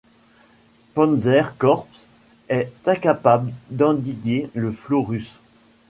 Panzer-korps est incapable d'endiguer le flot russe.